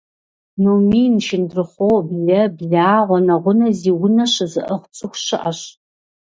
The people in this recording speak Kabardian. Номин, шындурхъуо, блэ, благъуэ, нэгъунэ зи унэ щызыӏыгъ цӏыху щыӏэщ.